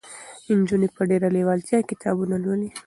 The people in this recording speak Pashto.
نجونې په ډېره لېوالتیا کتابونه لولي.